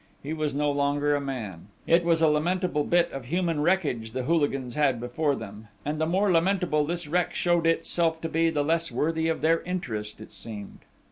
He was no longer a man: it was a lamentable bit of human wreckage the hooligans had before them!... And the more lamentable this wreck showed itself to be, the less worthy of their interest it seemed!